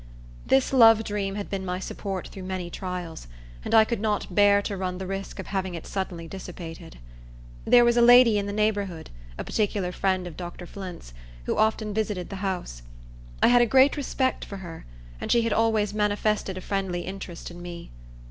This love dream had been my support through many trials; and I could not bear to run the risk of having it suddenly dissipated. There was a lady in the neighborhood, a particular friend of Dr. Flint's, who often visited the house. I had a great respect for her, and she had always manifested a friendly interest in me.